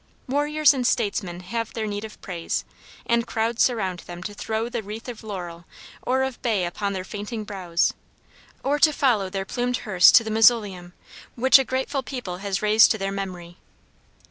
Warriors and statesmen have their need of praise, and crowds surround them to throw the wreath of laurel or of bay upon their fainting brows, or to follow their plumed hearse to the mausoleum which a grateful people has raised to their memory.